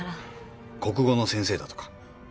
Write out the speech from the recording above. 国語の先生だとか。